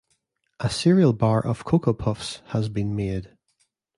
A cereal bar of Cocoa Puffs has been made.